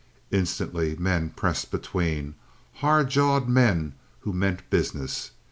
Instantly men pressed between, hard jawed men who meant business.